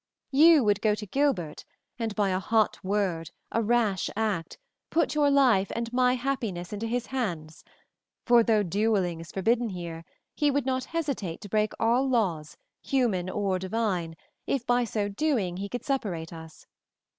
You would go to Gilbert and by a hot word, a rash act, put your life and my happiness into his hands, for though dueling is forbidden here, he would not hesitate to break all laws, human or divine, if by so doing he could separate us.